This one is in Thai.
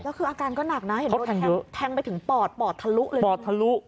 แล้วคืออาการก็หนักนะเห็นไหมแทงไปถึงปอดปอดทะลุเลยนะปอดทะลุ